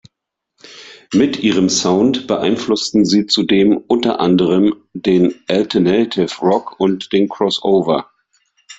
Mit ihrem Sound beeinflussten sie zudem unter anderem den Alternative Rock und den Crossover.